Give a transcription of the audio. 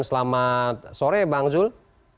selamat sore bang zulf